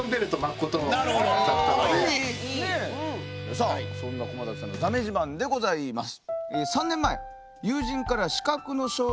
さあそんな駒崎さんのだめ自慢でございます。